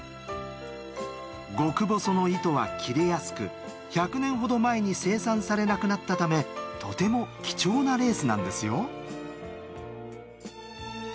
極細の糸は切れやすく１００年ほど前に生産されなくなったためとても貴重なレースなんですよ。